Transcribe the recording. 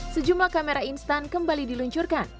sejumlah kamera instan kembali diluncurkan